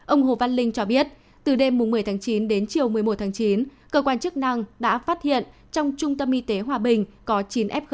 ông hồ văn linh cho biết từ đêm một mươi tháng chín đến chiều một mươi một tháng chín cơ quan chức năng đã phát hiện trong trung tâm y tế hòa bình có chín f một